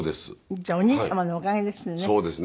じゃあお兄様のおかげですね。